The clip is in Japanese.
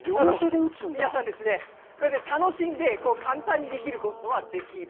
皆さん楽しんで簡単にできることはできる。